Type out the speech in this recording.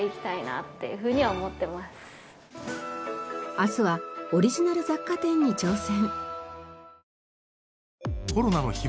明日はオリジナル雑貨店に挑戦。